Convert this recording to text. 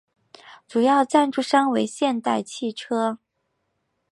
主赞助商为现代汽车。